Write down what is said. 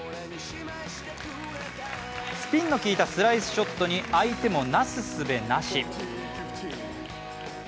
スピンの効いたスライスショットに相手もなすすべなし。